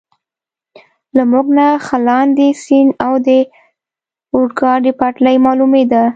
له موږ نه ښه لاندې، سیند او د اورګاډي پټلۍ معلومېده.